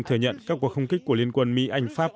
thừa nhận các cuộc không kích của liên quân mỹ anh pháp